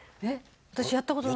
私やった事ない。